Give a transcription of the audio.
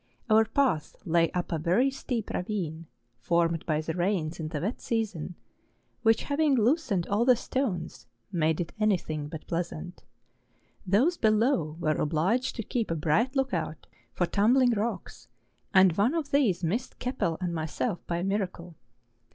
Our path lay up a very steep ravine formed by the rains in the wet season, which having loosened all the stones, made it anything but pleasant; those below were obliged to keep a bright look out for tumbling rocks, and one of these missed Keppel and myself by a miracle.